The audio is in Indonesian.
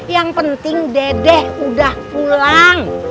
yang penting dedek udah pulang